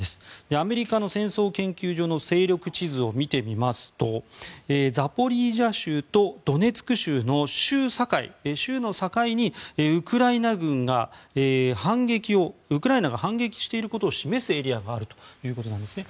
アメリカの戦争研究所の勢力地図を見てみますとザポリージャ州とドネツク州の州の境にウクライナ軍が反撃していることを示すエリアがあるということなんです。